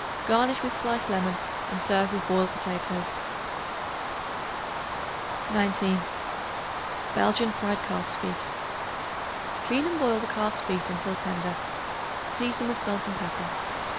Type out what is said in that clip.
Garnish with sliced lemon, and serve with boiled potatoes. 19. Belgian Fried Calf's Feet. Clean and boil the calf's feet until tender; season with salt and pepper.